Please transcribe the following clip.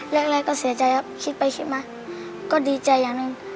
แรกก็เสียใจครับคิดไปคิดมาก็ดีใจอย่างหนึ่ง